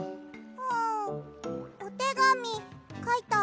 んおてがみかいたら？